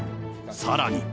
さらに。